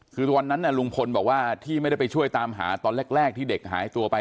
คือตอนนั้นลุงพลบอกว่าที่ไม่ได้ไปช่วยตามหาตอนแรกที่เด็กหายตัวไป